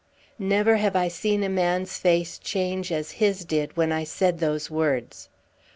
Never have I seen a man's face change as his did when I said those words.